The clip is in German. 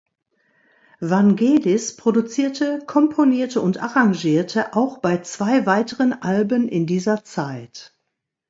Vangelis produzierte, komponierte und arrangierte auch bei zwei weiteren Alben in dieser Zeit.